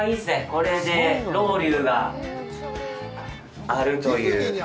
これでロウリュがあるという。